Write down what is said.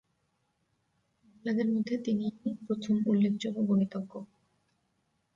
মহিলাদের মধ্যে তিনিই প্রথম উল্লেখযোগ্য গণিতজ্ঞ।